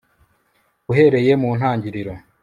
uhereye mu ntangiriro